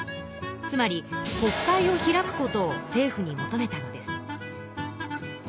つまり国会を開くことを政府に求めたのです。